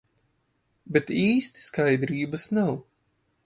Bet īsti skaidrības nav.